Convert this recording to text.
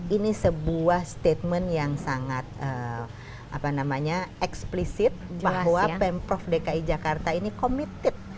ini sebuah statement yang sangat apa namanya eksplisit bahwa pemprov dki jakarta ini komited